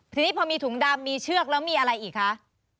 ทีนี้พอมีถุงดำมีเชือกแล้วมีอะไรอีกคะ